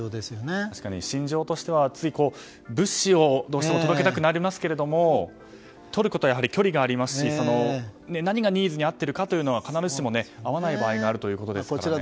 確かに心情としてはつい、物資をどうしても届けたくなりますけどトルコとはやはり、距離がありますし何がニーズに合っているかとは必ずしも合わない場合がありますからね。